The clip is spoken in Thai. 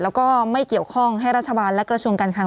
แล้วก็ไม่เกี่ยวข้องให้รัฐบาลและกระทรวงการคลัง